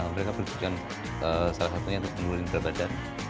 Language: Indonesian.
mereka berjujuran salah satunya untuk menurunkan kelembaban